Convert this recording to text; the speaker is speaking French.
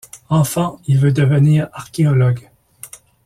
Enfant il veut devenir archéologue.